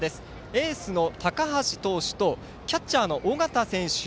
エースの高橋投手とキャッチャーの尾形選手